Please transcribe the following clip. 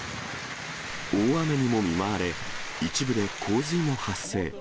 大雨にも見舞われ、一部で洪水も発生。